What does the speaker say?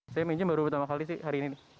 saya minjem baru pertama kali sih hari ini